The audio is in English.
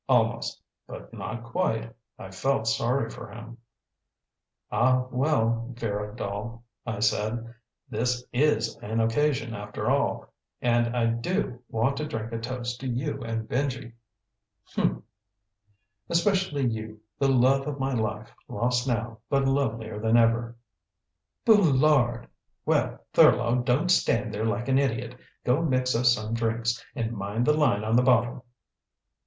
Almost but not quite I felt sorry for him. "Ah, well, Vera doll," I said, "this is an occasion, after all. And I do want to drink a toast to you and Benji." "Hmph." "Especially you, the love of my life, lost now, but lovelier than ever." "Boulard!... Well, Thurlow, don't stand there like an idiot. Go mix us some drinks. And mind the line on the bottle."